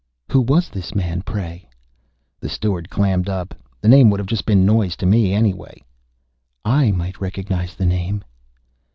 "Who was this man, pray?" "The steward clammed up.... The name would have been just noise to me, anyway." "I might recognize the name...."